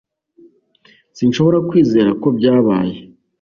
Sinshobora kwizera ko byabaye